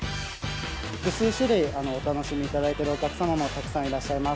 複数種類お楽しみいただいているお客様もたくさんいらっしゃいます。